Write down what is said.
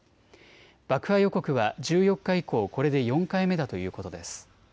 爆破予告は１４日以降、これで４回目だということです。